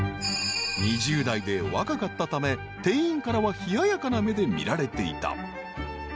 ［２０代で若かったため店員からは冷ややかな目で見られていた］